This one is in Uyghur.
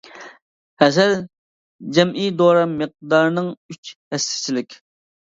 ھەسەل جەمئىي دورا مىقدارىنىڭ ئۈچ ھەسسىسىچىلىك.